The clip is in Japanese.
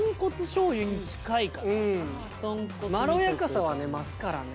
まろやかさはね増すからね。